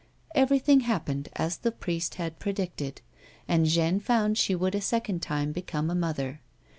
Everything happened as the priest had predicted, and J uanne found she would a second time become a mother.